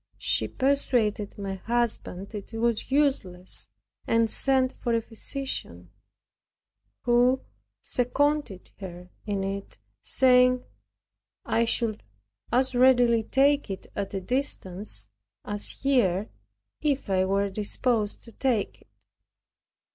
She persuaded my husband it was useless, and sent for a physician, who seconded her in it, saying, "I should as readily take it at a distance as here, if I were disposed to take it."